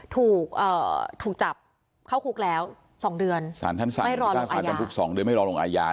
ถูกจับเข้าคุกแล้ว๒เดือนไม่รอลงอายา